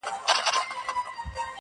ته لکه غنچه زه به شبنم غيږي ته درسمه -